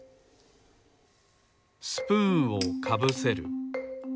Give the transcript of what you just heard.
スプーンをかぶせる。